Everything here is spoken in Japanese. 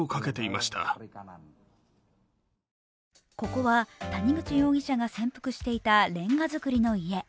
ここは谷口容疑者が潜伏していたれんが造りの家。